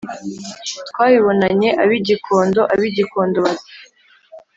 «twabibonanye ab'i gikondo, ab'i gikondo bati: